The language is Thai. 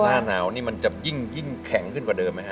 หน้าหนาวนี่มันจะยิ่งแข็งขึ้นกว่าเดิมไหมฮ